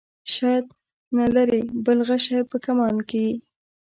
شاید نه لرې بل غشی په کمان کې.